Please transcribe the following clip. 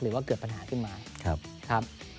หรือว่าเกิดปัญหาขึ้นมาครับ